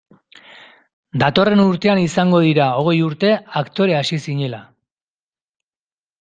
Datorren urtean izango dira hogei urte aktore hasi zinela.